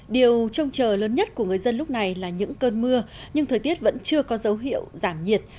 điều trông chờ lớn nhất của người dân lúc này là những cơn mưa nhưng thời tiết vẫn chưa có dấu hiệu giảm nhiệt